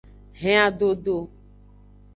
Hen adodo.